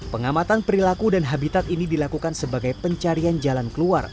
pengamatan perilaku dan habitat ini dilakukan sebagai pencarian jalan keluar